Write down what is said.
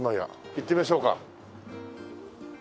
行ってみましょうか。